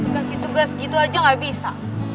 kasih tugas gitu aja nggak bisa